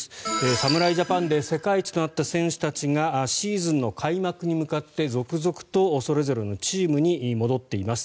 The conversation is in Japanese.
侍ジャパンで世界一となった選手たちがシーズンの開幕に向かって続々とそれぞれのチームに戻っています。